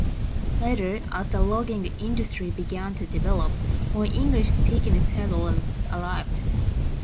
Later, as the logging industry began to develop, more English-speaking settlers arrived.